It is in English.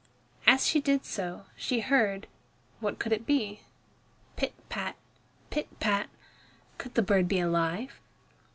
As she did so, she heard what could it be? Pit, pat, pit, pat! Could the bird be alive?